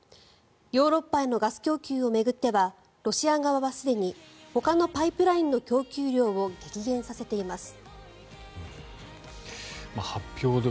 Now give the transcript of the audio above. ヨーロッパへのガス供給を巡ってはロシア側はすでにほかのパイプラインの供給量を激減させています。